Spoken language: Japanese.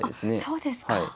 そうですか。